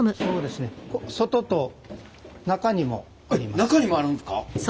中にもあるんですか？